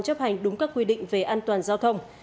chấp hành đúng các quy định về an toàn giao thông